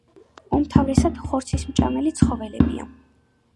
უმთავრესად ხორცისმჭამელი ცხოველებია.